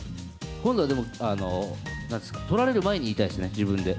今度はでも、撮られる前に言いたいですね、自分で。